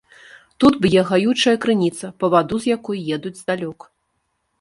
Тут б'е гаючая крыніца, па ваду з якой едуць здалёк.